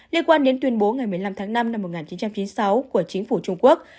liên quan đến tuyên bố ngày một mươi năm tháng năm năm một nghìn chín trăm chín mươi sáu của chính phủ trung quốc